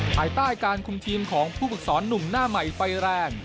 ภายใต้การคุมทีมของผู้ฝึกสอนหนุ่มหน้าใหม่ไฟแรง